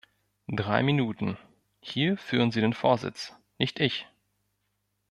Drei Minuten, hier führen Sie den Vorsitz, nicht ich.